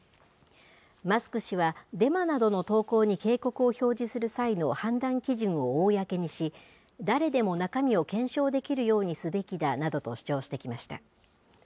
マスク氏は、デマなどの投稿に警告を表示する際の判断基準を公にし、誰でも中身を検証できるようにすべきだなどと主張してきました。